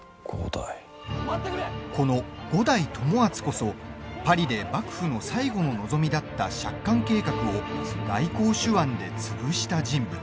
この五代友厚こそパリで幕府の最後の望みだった借款計画を外交手腕で潰した人物。